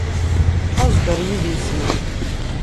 Aẓ-d ɣer yidis-iw.